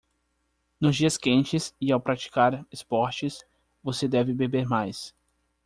Nos dias quentes e ao praticar esportes, você deve beber mais.